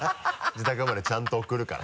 自宅までちゃんと送るから。